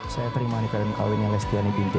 saya terima nikah yang kawinnya lestiani binti